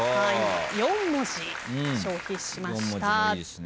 ４文字消費しました。